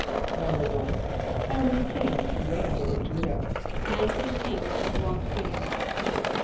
=1.= How many kings reigned over J[=u]´dah? =Nineteen kings and one queen.